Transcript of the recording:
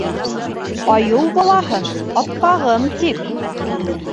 Айыу балаһын «аппағым» тип